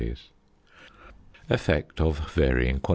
~Effect of Varying Iron.